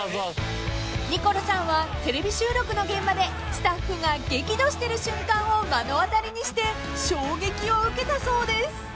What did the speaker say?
［ニコルさんはテレビ収録の現場でスタッフが激怒してる瞬間を目の当たりにして衝撃を受けたそうです］